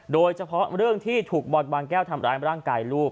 โดยเฉพาะเรื่องที่ถูกบอลบางแก้วทำร้ายร่างกายลูก